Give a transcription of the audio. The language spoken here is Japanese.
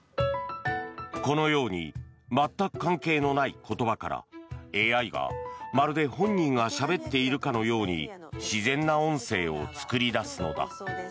このように全く関係のない言葉からＡＩがまるで本人がしゃべっているかのように自然な音声を作り出すのだ。